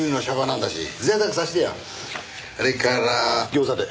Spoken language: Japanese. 餃子で。